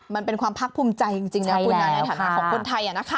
มันเป็นความภาคภูมิใจจริงของคนไทย